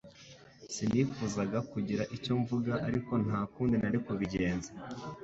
Sinifuzaga kugira icyo mvuga ariko nta kundi nari kubigenza